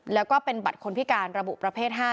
แล้วก็เป็นบัตรคนพิการระบุประเภท๕